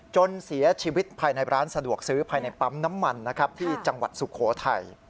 จนเสียชีวิตภายในร้านสะดวกซื้อภายในปั๊มน้ำมันนะครับที่จังหวัดสุโขทัย